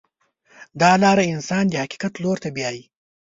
دا لاره انسان د حقیقت لور ته بیایي.